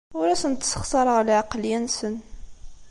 Ur asent-ssexṣareɣ lɛeqleyya-nsen.